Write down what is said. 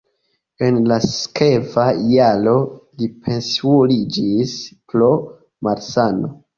En la sekva jaro li pensiuliĝis pro malsano.